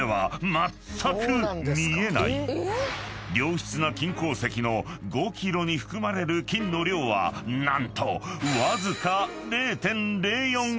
［良質な金鉱石の５ｋｇに含まれる金の量は何とわずか］